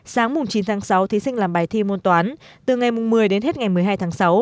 sáng chín tháng sáu thí sinh làm bài thi môn toán từ ngày một mươi đến hết ngày một mươi hai tháng sáu